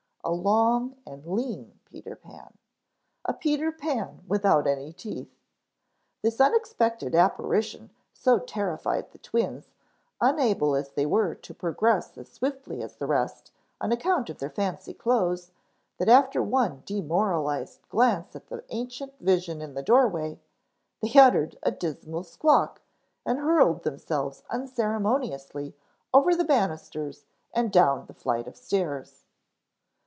A long and lean Peter Pan. A Peter Pan without any teeth. This unexpected apparition so terrified the twins, unable as they were to progress as swiftly as the rest on account of their fancy clothes, that after one demoralized glance at the ancient vision in the doorway, they uttered a dismal squawk and hurled themselves unceremoniously over the banisters and down the flight of stairs.